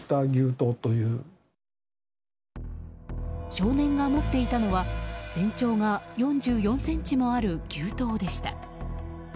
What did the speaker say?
少年が持っていたのは全長が４４ｃｍもある牛刀でした。